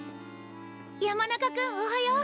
山中君おはよう！